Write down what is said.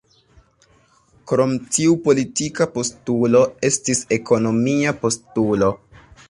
Krom tiu politika postulo, estis ekonomia postulo.